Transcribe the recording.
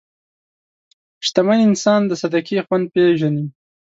شتمن انسان د صدقې خوند پېژني.